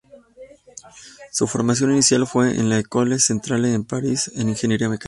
Su Formación inicial fue en la École Centrale de París, en Ingeniería Mecánica.